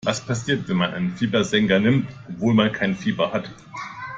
Was passiert, wenn man Fiebersenker nimmt, obwohl man kein Fieber hat?